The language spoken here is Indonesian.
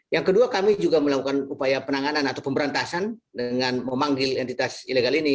yang kedua kami juga melakukan upaya penanganan atau pemberantasan dengan memanggil entitas ilegal ini